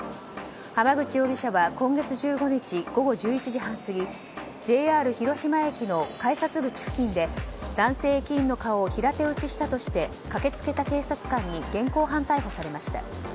浜口容疑者は今月１５日午後１１時半過ぎＪＲ広島駅の改札口付近で男性駅員の顔を平手打ちしたとして駆け付けた警察官に現行犯逮捕されました。